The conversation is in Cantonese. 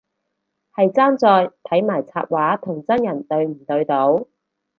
係差在睇埋插畫同真人對唔對到